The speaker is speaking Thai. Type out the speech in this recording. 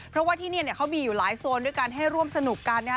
เพราะว่าที่นี่เนี่ยเขามีอยู่หลายโซนด้วยการให้ร่วมสนุกกันนะครับ